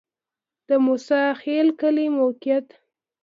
د موسی خیل کلی موقعیت